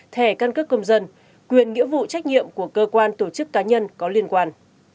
thẻ căn cước công dân quyền nghĩa vụ trách nhiệm của cơ quan tổ chức cá nhân có liên quan